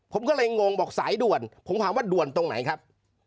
ผมก็เลยงงบอกสายด่วนผมถามว่าด่วนตรงไหนครับ